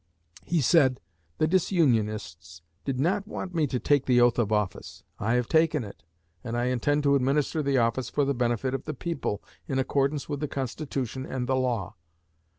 He said: "The disunionists did not want me to take the oath of office. I have taken it, and I intend to administer the office for the benefit of the people, in accordance with the Constitution and the law."